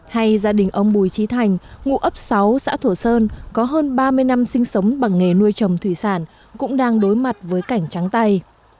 hay gia đình ông bùi trí thành ngụ ấp sáu xã thổ sơn có hơn ba mươi năm sinh sống bằng nghề nuôi trồng thủy sản cũng đang đối mặt với cảnh trắng tay